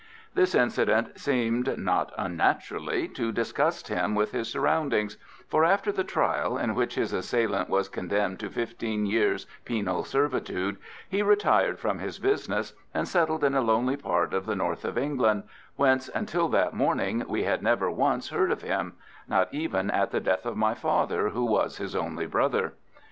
This incident seemed, not unnaturally, to disgust him with his surroundings, for, after the trial, in which his assailant was condemned to fifteen years' penal servitude, he retired from his business and settled in a lonely part of the North of England, whence, until that morning, we had never once heard of him—not even at the death of my father, who was his only brother.